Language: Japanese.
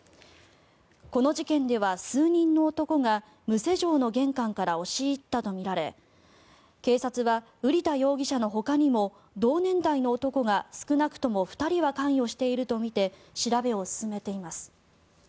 この事件では数人の男が無施錠の玄関から押し入ったとみられ警察は瓜田容疑者のほかにも同年代の男が少なくとも２人は関与しているとみて調べを進めています。